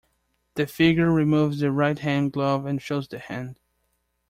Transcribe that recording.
The figure removes the right-hand glove and shows the hand.